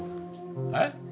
えっ？